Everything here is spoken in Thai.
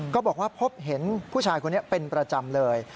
ก็บอกว่าพบเห็นผู้ชายคนนี้เป็นประจำเลย